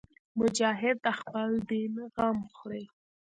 مجاهد د خپل دین غم خوري.